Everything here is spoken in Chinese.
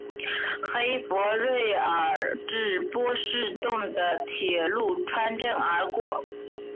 黑弗瑞尔至波士顿的铁路穿镇而过。